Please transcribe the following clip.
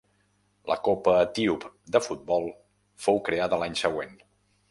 La Copa etíop de futbol fou creada l'any següent.